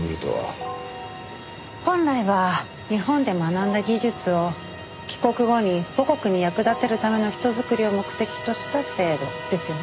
本来は日本で学んだ技術を帰国後に母国に役立てるための人づくりを目的とした制度ですよね？